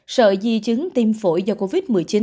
sợ di chứng tiêm phổi do covid một mươi chín